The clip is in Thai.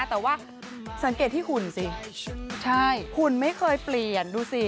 แต่ว่าสังเกตที่หุ่นสิใช่หุ่นไม่เคยเปลี่ยนดูสิ